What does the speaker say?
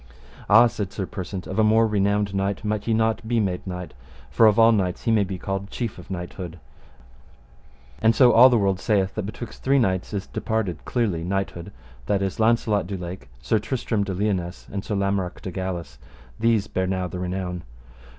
Ah, said Sir Persant, of a more renowned knight might ye not be made knight; for of all knights he may be called chief of knighthood; and so all the world saith, that betwixt three knights is departed clearly knighthood, that is Launcelot du Lake, Sir Tristram de Liones, and Sir Lamorak de Galis: these bear now the renown.